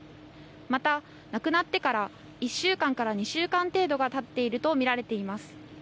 また亡くなってから１週間から２週間程度がたっていると見られています。